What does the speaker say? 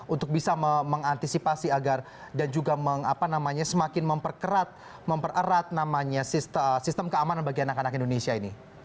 untuk bisa mengantisipasi agar dan juga semakin memperkerat mempererat namanya sistem keamanan bagi anak anak indonesia ini